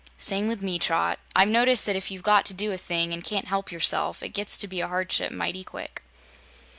"Same with me, Trot. I've noticed that if you've got to do a thing, and can't help yourself, it gets to be a hardship mighty quick."